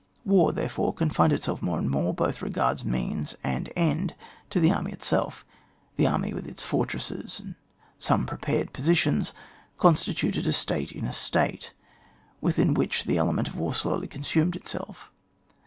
War, therefore, confined itself more and more both as regards means and end, to the army itself. The army with its fortresses, and some prepared positions, constituted a State in a State, within which the ele ment of war slowly consumed itself.